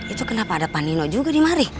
itu kenapa ada panino juga di mari